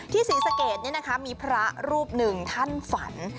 ที่สีสะเกดนี้นะคะมีพระรูปหนึ่งท่านฝัน